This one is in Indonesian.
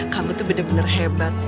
kamu tuh bener bener hebat